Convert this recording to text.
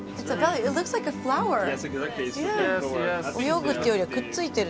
泳ぐっていうよりはくっついてる。